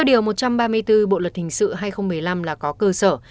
điều một trăm ba mươi bốn bộ luật hình sự hai nghìn một mươi năm là có cơ sở